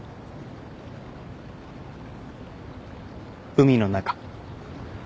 海の中。